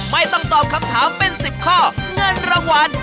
ไม่ต้องตอบคำถามเป็น๑๐ข้อเงินรางวัล